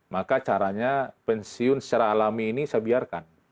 maka caranya pensiun secara alami ini saya biarkan